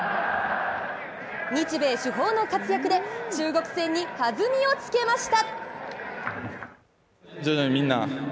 日米主砲の活躍で中国戦に弾みをつけました。